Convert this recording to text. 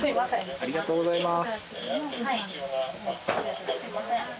ありがとうございます。